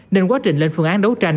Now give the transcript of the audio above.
nên quá trình lên phương án đấu tranh